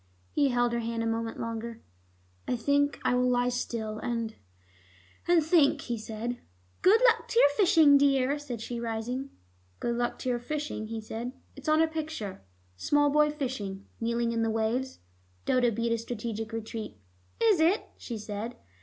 He held her hand a moment longer. "I think I will lie still and and think," he said. "Good luck to your fishing, dear," said she, rising. "Good luck to your fishing?" he said. "It's on a picture. Small boy fishing, kneeling in the waves." Dodo beat a strategic retreat. "Is it?" she said.